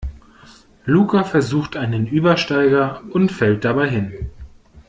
Luca versucht einen Übersteiger und fällt dabei hin.